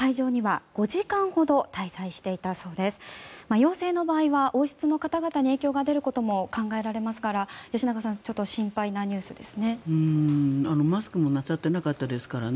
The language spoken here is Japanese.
陽性の場合は王室の方々に影響が出ることも考えられますから、吉永さん心配なニュースですね。